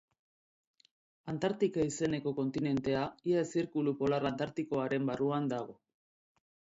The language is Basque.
Antartika izeneko kontinentea ia zirkulu polar antartikoaren barruan dago.